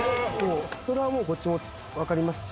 それはもうこっちも分かりますし。